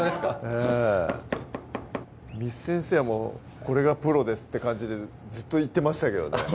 ええ簾先生も「これがプロです」って感じでずっと言ってましたけどねあっ